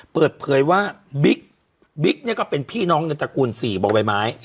เปิดเผยว่าบิ๊กเนี่ยก็เป็นพี่น้องในตระกูล๔บ่อใบไม้